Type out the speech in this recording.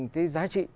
cái giá trị